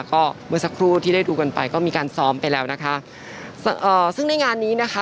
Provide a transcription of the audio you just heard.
ก็เมื่อสักครู่ที่ได้ดูกันไปก็มีการซ้อมไปแล้วนะคะเอ่อซึ่งในงานนี้นะคะ